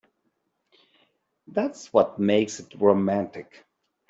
That's what makes it romantic.